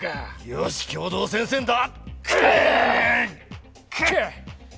よし、共同戦線だ！